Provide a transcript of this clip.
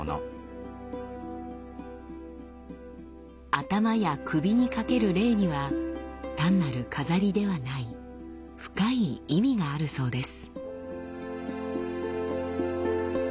頭や首にかけるレイには単なる飾りではない深い意味があるそうです。